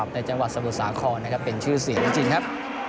ในจังหวัดศัพท์สาครเป็นชื่อเสียจริงครับ